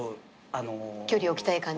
距離置きたい感じ？